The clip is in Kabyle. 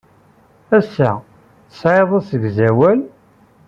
Ass-a, tesɛid asegzawal?